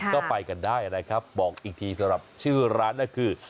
ก็ไปกันได้นะครับบอกอีกทีสำหรับชื่อร้านนั่นคือ